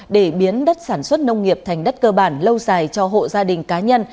để biến đất sản xuất nông nghiệp thành đất cơ bản lâu dài cho hộ gia đình cá nhân